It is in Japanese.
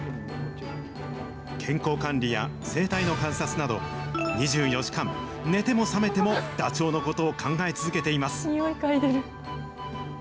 健康管理や生態の観察など、２４時間、寝ても覚めてもダチョウのことを考え続けています。